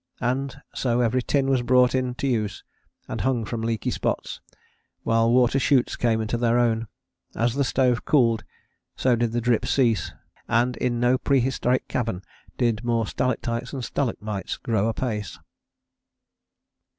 And so every tin was brought into use and hung from leaky spots, while water chutes came into their own. As the stove cooled so did the drip cease, and in no prehistoric cavern did more stalactites and stalagmites grow apace.